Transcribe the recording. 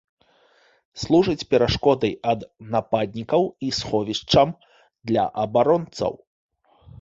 Служыць перашкодай ад нападнікаў і сховішчам для абаронцаў.